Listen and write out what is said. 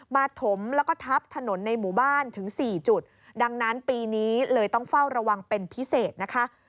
ถมแล้วก็ทับถนนในหมู่บ้านถึงสี่จุดดังนั้นปีนี้เลยต้องเฝ้าระวังเป็นพิเศษนะคะ